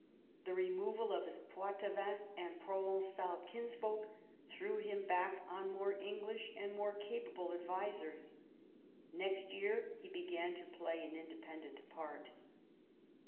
The removal of his Poitevin and Provencal kinsfolk threw him back on more English and more capable advisers. Next year he began to play an inde pendent part.